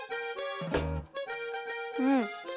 うん！